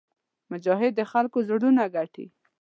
مجاهد د خلکو زړونه ګټي.